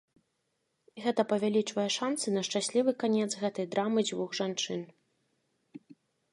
Гэта павялічвае шанцы на шчаслівы канец гэтай драмы дзвюх жанчын.